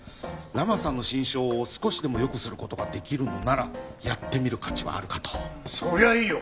ラマさんの心証を少しでもよくすることができるのならやってみる価値はあるかとそりゃいいよ